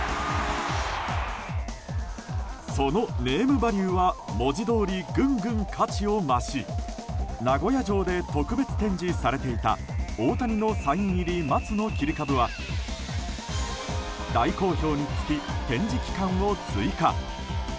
そのネームバリューは文字どおりぐんぐん価値を増し名古屋城で特別展示されていた大谷のサイン入り松の切り株は大好評につき、展示期間を追加。